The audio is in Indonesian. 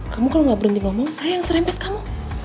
kamu kalau nggak berhenti ngomong saya yang serempet kamu